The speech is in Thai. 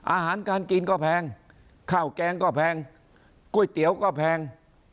อาหารการกินก็แพงข้าวแกงก็แพงก๋วยเตี๋ยวก็แพง